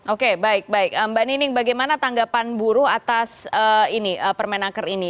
oke baik baik mbak nining bagaimana tanggapan buruh atas ini permenaker ini